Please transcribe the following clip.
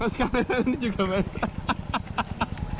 mas kameramen juga basah